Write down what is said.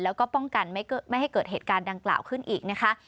แล้วก็ป้องกันไม่ให้เกิดเหตุการณ์ดังกล่าวขึ้นอีกนะคะ